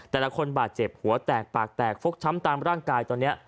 แต่ละคนบาดเจ็บหัวแตกปากแตกฟกช้ำตามร่างกายตอนนี้